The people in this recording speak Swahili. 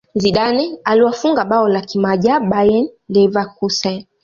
zidane aliwafunga bao la kimaajabu bayern leverkusen